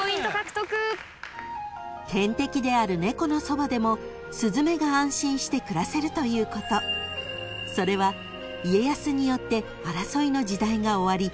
［天敵である猫のそばでもスズメが安心して暮らせるということそれは家康によって］